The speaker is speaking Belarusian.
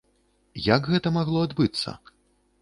Як гэта магло адбыцца?